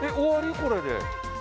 これで。